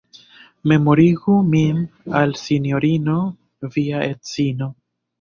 Memorigu min al Sinjorino via edzino!